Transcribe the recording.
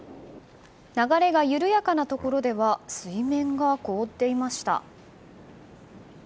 流れが緩やかなところでは水面が凍っていました。